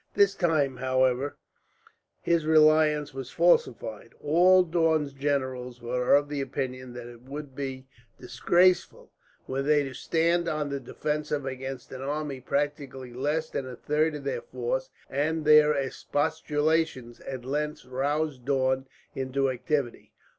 This time, however, his reliance was falsified. All Daun's generals were of opinion that it would be disgraceful, were they to stand on the defensive against an army practically less than a third of their force; and their expostulations at length roused Daun into activity.